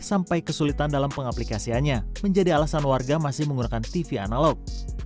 sampai kesulitan dalam pengaplikasiannya menjadi alasan warga masih menggunakan tv analog